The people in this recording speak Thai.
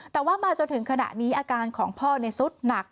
แต่ว่ามาจนถึงขณะนี้อาการของพ่อสุดหนัก